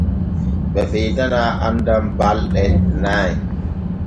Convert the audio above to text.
Ɓe ɓeydana annal ɓalɗe nay.